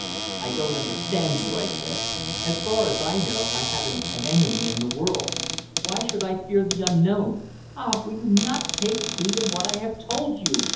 "I don't understand you," I said. "As far as I know, I haven't an enemy in the world. Why should I fear the unknown?" "Ah! will you not take heed of what I have told you?"